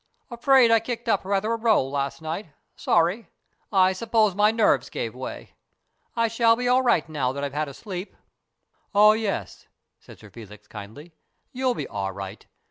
"Afraid I kicked up rather a row last night. Sorry. I suppose my nerves gave way. I shall be all right now that I have had a sleep." " Oh, yes," said Sir Felix, kindly. " You'll be all right.